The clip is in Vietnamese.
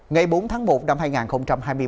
ngày bốn tháng một năm hai nghìn hai mươi ba